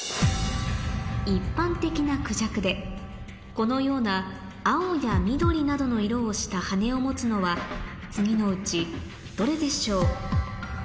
一般的なクジャクでこのような青や緑などの色をした羽を持つのは次のうちどれでしょう？